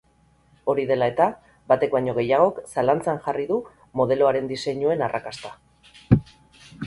Hori dela eta, batek baino gehiagok zalantzan jarri du modeloaren diseinuen arrakasta.